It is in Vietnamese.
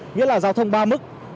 nghĩa là giao thông ba mức